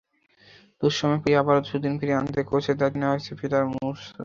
দুঃসময় পেরিয়ে আবারও সুদিন ফিরিয়ে আনতে কোচের দায়িত্ব দেওয়া হয়েছে পিটার মুরসকে।